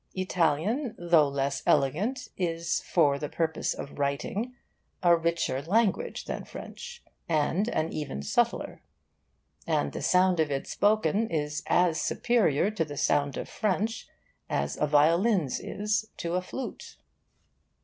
Italian, though less elegant, is, for the purpose of writing, a richer language than French, and an even subtler; and the sound of it spoken is as superior to the sound of French as a violin's is to a flute's.